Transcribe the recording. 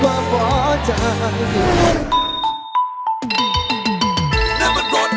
มันไม่ใช่รถตุกตุกมันรถมหาสนุก